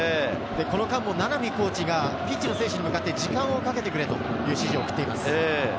この間、名波コーチもピッチの選手に対して時間をかけてくれと指示を出しています。